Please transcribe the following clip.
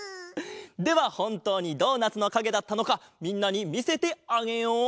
ではほんとうにドーナツのかげだったのかみんなにみせてあげよう。